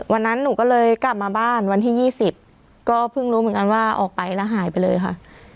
วันนั้นหนูก็เลยกลับมาบ้านวันที่๒๐ก็เพิ่งรู้เหมือนกันว่าออกไปแล้วหายไปเลยค่ะ